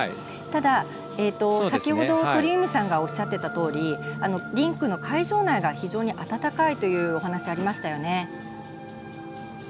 ただ、先ほど鳥海さんがおっしゃっていたとおりリンクの会場内が非常に暖かいというお話がありましたよね。